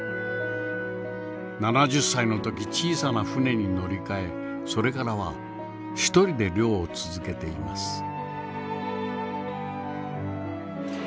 ７０歳の時小さな船に乗り換えそれからは１人で漁を続けています。